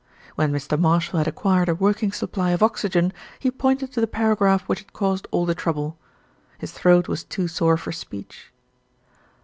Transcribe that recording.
When Mr. Marshall had acquired a working supply of oxygen, he pointed to the paragraph which had caused all the trouble. His throat was too sore for speech.